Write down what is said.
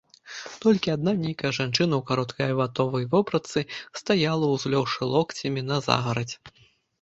Толькі адна нейкая жанчына ў кароткай ватовай вопратцы стаяла, узлёгшы локцямі на загарадзь.